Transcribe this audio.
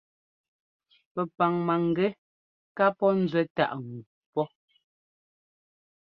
Pɛpaŋ mangɛ́ ká pɔ́ nzuɛ táʼ ŋu pɔ́.